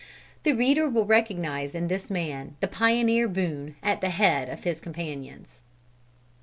The reader will recognise in this man, the pioneer Boone at the head of his companions."